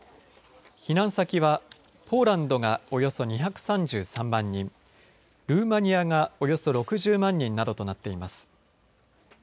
避難先はポーランドがおよそ２３３万人、ルーマニアがおよそ６０万人などとなっています。